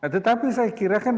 tetapi saya kira kan